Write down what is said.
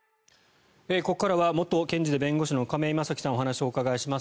ここからは元検事で弁護士の亀井正貴さんにお話をお伺いします。